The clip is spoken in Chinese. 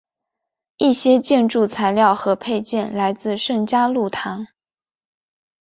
一些建筑材料和配件来自圣嘉禄堂。